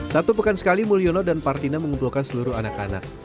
satu pekan sekali mulyono dan partina mengumpulkan seluruh anak anak